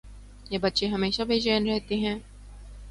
یہ بچے ہمیشہ بے چین رہتیں ہیں